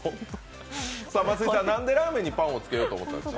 なんでラーメンにパンをつけようと思ったんですか。